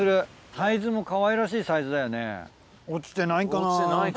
サイズもかわいらしいサイズだよね。